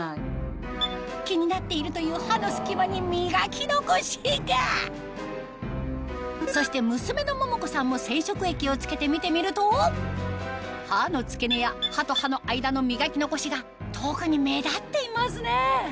気になっているという歯の隙間に磨き残しがそして娘の桃子さんも染色液を付けて見てみると歯の付け根や歯と歯の間の磨き残しが特に目立っていますね